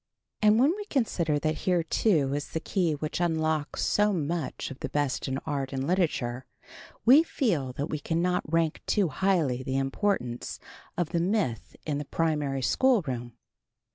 And when we consider that here, too, is the key which unlocks so much of the best in art and literature, we feel that we cannot rank too highly the importance of the myth in the primary schoolroom.